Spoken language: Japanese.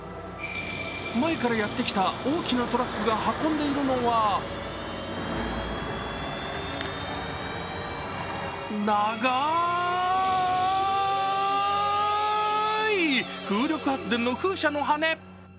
前からやってきた大きなトラックが運んでいるのは長い、風力発電の風車の羽根。